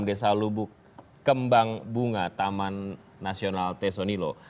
desa lubuk kembang bunga taman nasional tesonilo